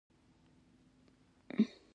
لعل د افغانستان د اقلیمي نظام ښکارندوی ده.